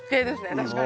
確かに。